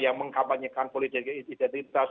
yang mengkabanyakan politik identitas